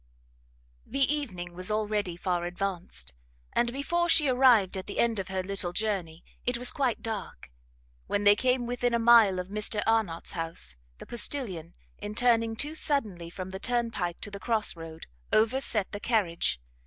The evening was already far advanced, and before she arrived at the end of her little journey it was quite dark. When they came within a mile of Mr Arnott's house, the postilion, in turning too suddenly from the turnpike to the cross road, overset the carriage.